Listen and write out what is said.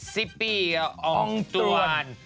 ซิปปี้ก็อ๋องตรวัน